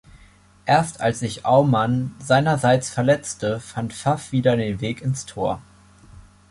Erst als sich Aumann seinerseits verletzte, fand Pfaff wieder den Weg ins Tor.